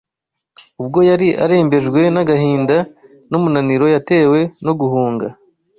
Ubwo yari arembejwe n’agahinda n’umunaniro yatewe no guhunga